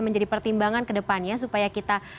menjadi pertimbangan kedepannya supaya kita